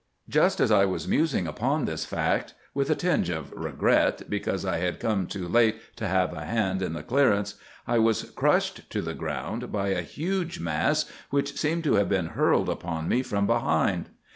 "'Just as I was musing upon this fact, with a tinge of regret because I had come too late to have a hand in the clearance, I was crushed to the ground by a huge mass which seemed to have been hurled upon me from behind.